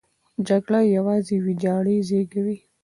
جګړه یوازې ویجاړۍ زېږوي.